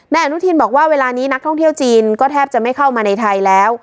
อนุทินบอกว่าเวลานี้นักท่องเที่ยวจีนก็แทบจะไม่เข้ามาในไทยแล้ว